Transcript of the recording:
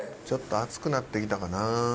「ちょっと暑くなってきたかなあ」。